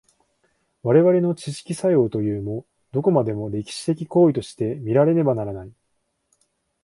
我々の知識作用というも、どこまでも歴史的行為として見られねばならない。